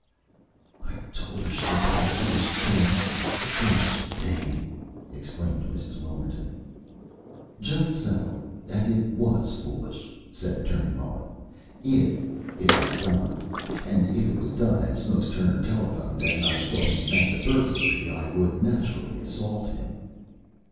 "I told her she had done a foolish, foolish thing!" exclaimed Mrs. Wilmerton. "Just so! And it was foolish," said Attorney Mullen, "If it was done. And, if it was done, and Snooks Turner telephoned, and I thought he meant the burglary, I would, naturally, assault him."